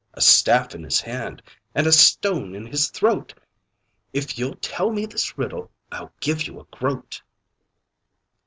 A staff in his hand, and a stone in his throat; If you'll tell me this riddle, I'll give you a groat."